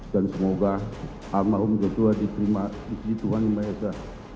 dan semoga alma umudjojoa diterima di tuhan maha esa